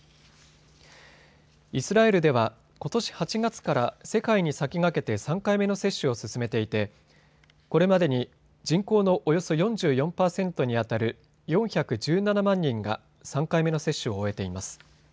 イスラエルでは、ことし８月から世界に先駆けて３回目の接種を進めていてこれまでに人口のおよそ４４％にあたる４１７万人が３回目の接種を終えています。